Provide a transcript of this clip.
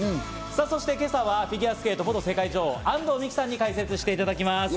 そして今朝はフィギュアスケート元世界女王の安藤美姫さんに解説していただきます。